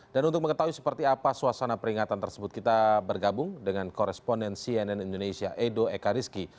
dan untuk mengetahui seperti apa suasana peringatan tersebut kita bergabung dengan koresponden cnn indonesia edo ekariski